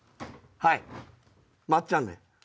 はい「まっちゃん」で。